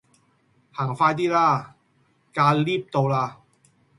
行快 D 啦！架 𨋢 到啦